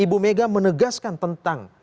ibu mega menegaskan tentang